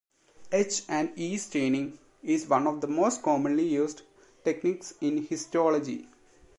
H and E staining is one of the most commonly used techniques in histology.